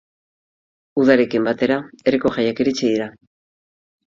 Udarekin batera, herriko jaiak iritsi dira.